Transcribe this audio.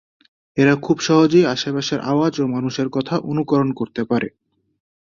এরা খুব সহজেই আশেপাশের আওয়াজ আর মানুষের কথা অনুকরণ করতে পারে।